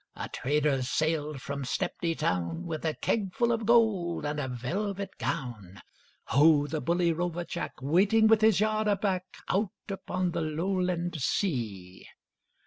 A trader sailed from Stepney town With a keg full of gold and a velvet gown: Ho, the bully rover Jack, Waiting with his yard aback Out upon the Lowland sea!